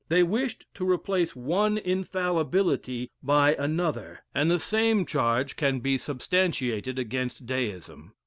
They wished to replace one infallibility by another. And the same charge can be substantiated against Deism.